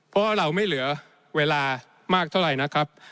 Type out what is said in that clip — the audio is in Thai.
เพราะเราไม่เหลือเวลามากเท่าไหร่นะครับ